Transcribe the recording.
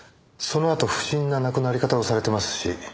そのあと不審な亡くなり方をされてますし。